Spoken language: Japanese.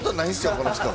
この人。